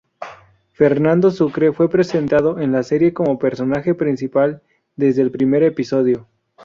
Fernando Sucre fue presentado en la serie como personaje principal desde el primer episodio.